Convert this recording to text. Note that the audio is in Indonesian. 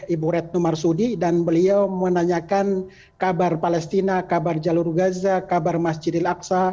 ibu retno marsudi dan beliau menanyakan kabar palestina kabar jalur gaza kabar masjid al aqsa